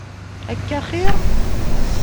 Akka axir?